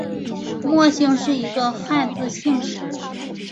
莫姓是一个汉字姓氏。